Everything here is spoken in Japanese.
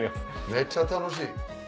めっちゃ楽しい。